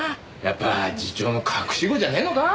やっぱ次長の隠し子じゃねえのか？